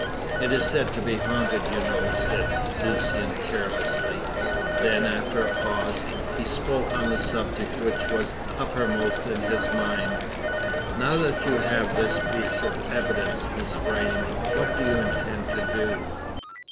"It is said to be haunted, you know," said Lucian carelessly; then, after a pause, he spoke on the subject which was uppermost in his mind. "Now that you have this piece of evidence, Miss Vrain, what do you intend to do?"